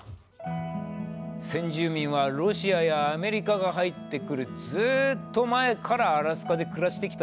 先住民はロシアやアメリカが入ってくるずっと前からアラスカで暮らしてきた。